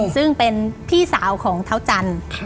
ซึ่งเป็นพี่สาวของเท้าจันทร์